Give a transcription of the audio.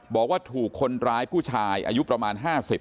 บอกว่าถูกคนร้ายผู้ชายอายุประมาณ๕๐